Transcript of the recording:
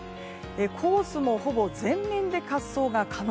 コースもほぼ全面で滑走が可能。